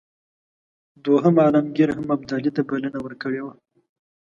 دوهم عالمګیر هم ابدالي ته بلنه ورکړې وه.